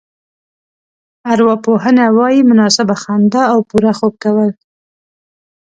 ارواپوهنه وايي مناسبه خندا او پوره خوب کول.